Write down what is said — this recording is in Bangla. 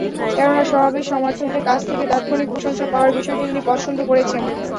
কেননা, সমাবেশে সমর্থকদের কাছ থেকে তাৎক্ষণিক প্রশংসা পাওয়ার বিষয়টি তিনি পছন্দ করেছেন।